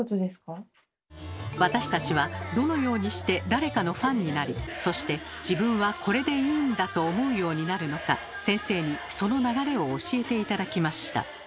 私たちはどのようにして誰かのファンになりそして「自分はこれでいいんだ！」と思うようになるのか先生にその流れを教えて頂きました。